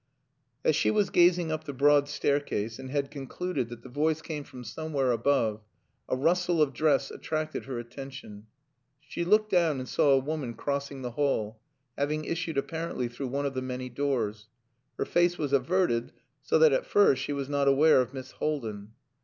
As she was gazing up the broad staircase, and had concluded that the voice came from somewhere above, a rustle of dress attracted her attention. She looked down and saw a woman crossing the hall, having issued apparently through one of the many doors. Her face was averted, so that at first she was not aware of Miss Haldin.